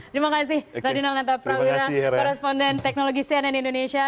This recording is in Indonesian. terima kasih radinal nantaprawira korresponden teknologi cnn indonesia